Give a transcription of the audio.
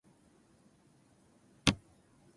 そうだったら良いと思うのに。